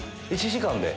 １時間で？